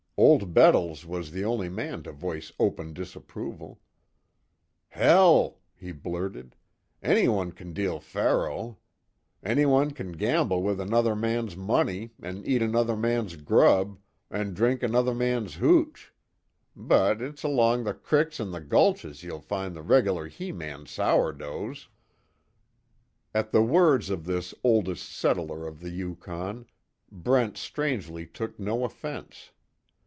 Old Bettles was the only man to voice open disapproval: "Hell," he blurted, "Anyone c'n deal faro. Anyone c'n gamble with another man's money, an' eat another man's grub, an' drink another man's hooch. But, it's along the cricks an' the gulches you find the reg'lar he man sourdoughs." At the words of this oldest settler on the Yukon, Brent strangely took no offense.